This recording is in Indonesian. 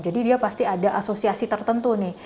jadi dia pasti ada asosiasi tertentu nih